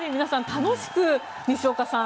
楽しく西岡さん